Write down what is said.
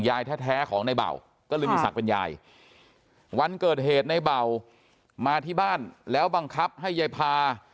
ยายแท้ของในเบาก็เลยมีศักดิ์เป็นยายวันเกิดเหตุในเบามาที่บ้านแล้วบังคับให้ยายพา